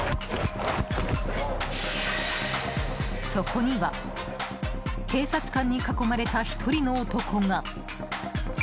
そこには警察官に囲まれた１人の男が。